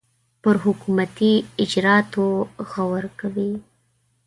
پر حکومتي اجرآتو غور کوي.